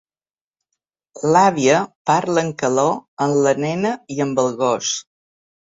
L'àvia parla en caló amb la nena i amb el gos.